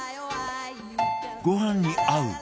ご飯に合う！